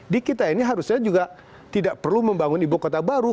di kita ini harusnya juga tidak perlu membangun ibu kota baru